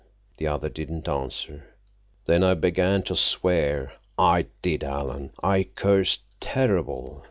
The other didn't answer. Then I began to swear. I did, Alan. I cursed terrible.